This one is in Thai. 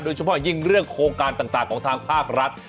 เฉพาะยิ่งเรื่องโครงการต่างของทางภาครัฐ